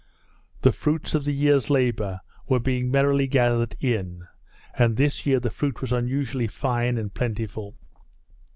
The fruits of the year's labour were being merrily gathered in, and this year the fruit was unusually fine and plentiful.